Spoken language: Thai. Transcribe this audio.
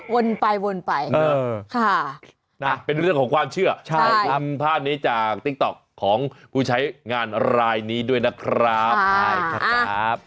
วนไปวนไปเป็นเรื่องของความเชื่อขอบคุณภาพนี้จากติ๊กต๊อกของผู้ใช้งานรายนี้ด้วยนะครับใช่ครับ